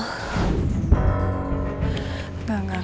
tidak tidak tidak